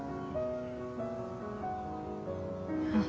ああ。